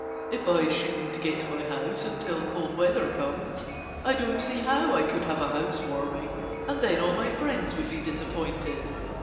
"If I shouldn't get my house until cold weather comes I don't see how I could have a house warming; and then all my friends would be disappointed."